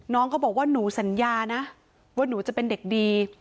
น้องเขาบอกว่าหนูสัญญานะว่าหนูจะเป็นเด็กดี